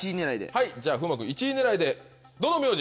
はいじゃあ風磨君１位狙いでどの名字？